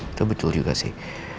itu betul juga sih